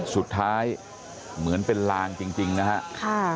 สุดท้ายเหมือนเป็นลางจริงนะฮะ